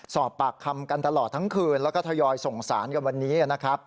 สอบปากคำกันตลอดทั้งคืนแล้วก็ทยอยส่งสารกันวันนี้นะครับ